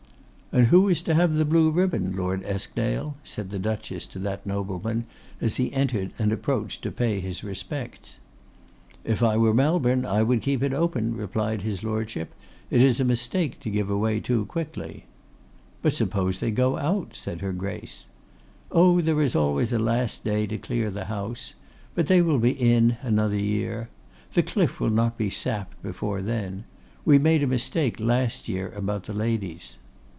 'And who is to have the blue ribbon, Lord Eskdale?' said the Duchess to that nobleman, as he entered and approached to pay his respects. 'If I were Melbourne, I would keep it open,' replied his Lordship. 'It is a mistake to give away too quickly.' 'But suppose they go out,' said her Grace. 'Oh! there is always a last day to clear the House. But they will be in another year. The cliff will not be sapped before then. We made a mistake last year about the ladies.